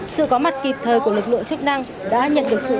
sự có mặt kịp thời của lực lượng chức năng đã nhận được sự ghi nhận của người dân